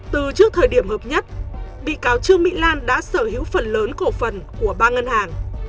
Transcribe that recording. từ trước thời điểm hợp nhất bị cáo trương mỹ lan đã sở hữu phần lớn cổ phần của ba ngân hàng